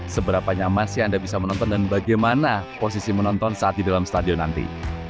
seberapa nyaman sih anda bisa menonton dan bagaimana posisi menonton saat di dalam stadion nanti